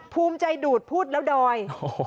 ภูมิใจดูดพูดแล้วดอย